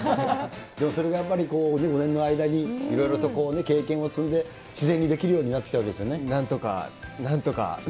でも、それがやっぱり５年の間に、いろいろと経験を積んで、自然にできるようになってきたわなんとか、なんとか。